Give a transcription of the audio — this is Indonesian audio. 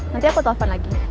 nanti aku telepon lagi